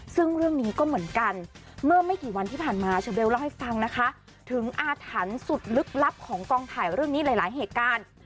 ซึ่งเรื่องนี้ก็เหมือนกันเมื่อไม่กี่วันที่ผ่านมาเชอเบลเล่าให้ฟังนะคะถึงอาถรรพ์สุดลึกลับของกองถ่ายเรื่องนี้หลายเหตุการณ์